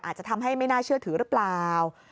อาจจะทำให้ไม่น่าเชื่อถือหรือเปล่า